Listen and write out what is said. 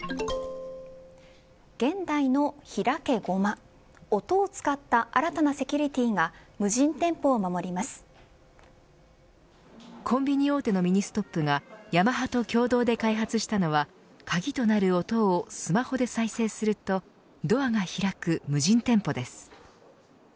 現代の開けゴマ音を使った新たなセキュリティがコンビニ大手のミニストップがヤマハと共同で開発したのは鍵となる音をスマホで再生するとドアが開く無人店舗です。